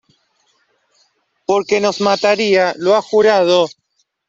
porque nos mataría... ¡ lo ha jurado! ...